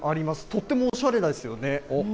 とってもおしゃれですよね。